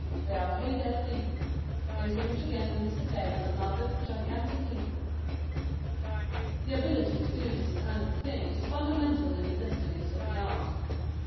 They are paid their fee. They salute again and disappear with another gigantic leap. The ability to do this kind of a thing is fundamental in the destinies of the art.